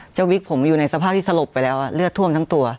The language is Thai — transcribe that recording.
วิกผมอยู่ในสภาพที่สลบไปแล้วเลือดท่วมทั้งตัว